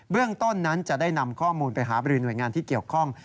เรื่องต้นนั้นจะได้นำข้อมูลไปหาบริหน่วยงานที่เกี่ยวข้อง